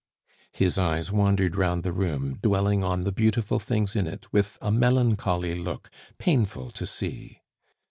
His eyes wandered round the room, dwelling on the beautiful things in it with a melancholy look painful to see.